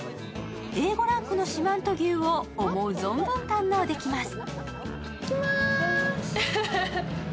Ａ５ランクの四万十牛を思う存分堪能できます。